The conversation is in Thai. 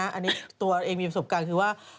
อันนี้ตัวเองมีประสบการณ์คือว่า